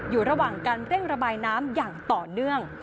อยู่ระหว่างการเร่งระบายน้ำอย่างต่อเนื่อง